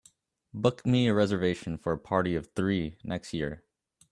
Book me a reservation for a party of three next year